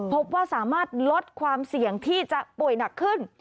พบว่าสามารถลดความเสี่ยงที่จะป่วยหนักขึ้น